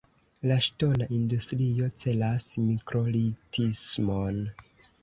La ŝtona industrio celas mikrolitismon.